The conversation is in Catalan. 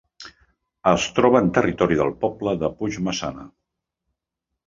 Es troba en territori del poble de Puigmaçana.